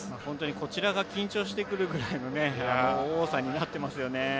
こちらが緊張してくるぐらいの多さになってますよね。